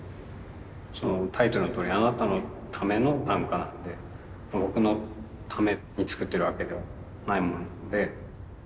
そのタイトルのとおり「あなたのための短歌」なので僕のために作ってるわけではないものなので。